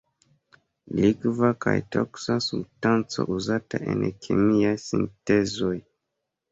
Likva kaj toksa substanco uzata en kemiaj sintezoj.